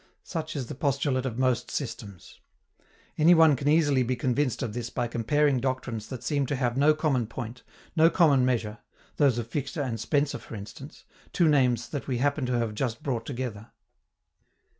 Such is the postulate of most systems. Any one can easily be convinced of this by comparing doctrines that seem to have no common point, no common measure, those of Fichte and Spencer for instance, two names that we happen to have just brought together.